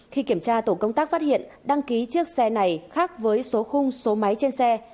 khi kiểm tra tổ công tác phát hiện đăng ký chiếc xe này khác với số khung số máy trên xe